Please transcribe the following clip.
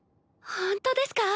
ほんとですか？